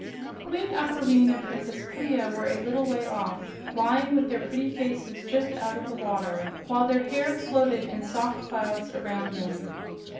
Queen Aquareine and Princess Clia were a little way off, lying with their pretty faces just out of the water while their hair floated in soft clouds around them.